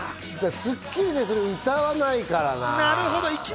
『スッキリ』では歌わないからな。